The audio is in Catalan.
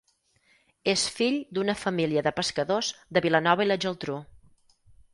És fill d'una família de pescadors de Vilanova i la Geltrú.